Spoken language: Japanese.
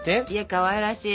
かわいらしい。